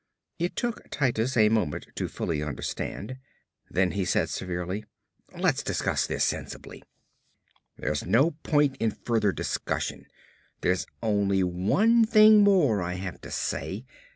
It took Titus a moment to fully understand, then he said severely: "Let's discuss this sensibly." "There's no point in further discussion. There's only one thing more I have to say.